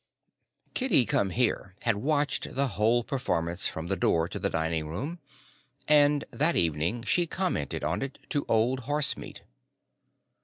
Kitty Come Here had watched the whole performance from the door to the dining room and that evening she commented on it to Old Horsemeat.